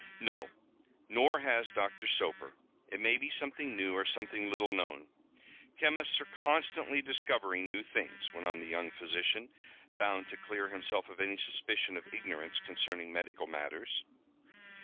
"No, nor has Doctor Soper. It may be something new, or something little known. Chemists are constantly discovering new things," went on the young physician, bound to clear himself of any suspicion of ignorance concerning medical matters.